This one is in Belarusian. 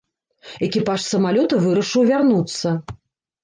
Экіпаж самалёта вырашыў вярнуцца.